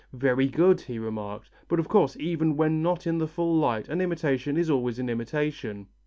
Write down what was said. "Very good," he remarked, "but of course even when not in the full light an imitation is always an imitation."